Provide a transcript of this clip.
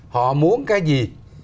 họ muốn cái gì